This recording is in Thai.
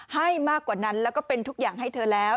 ให้มากกว่านั้นแล้วก็เป็นทุกอย่างให้เธอแล้ว